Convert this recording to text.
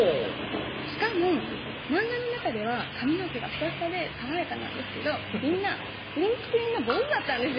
しかもマンガの中では髪の毛がフサフサで爽やかなんですけどみんなクリンクリンの坊主だったんですよ